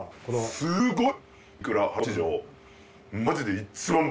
すごい！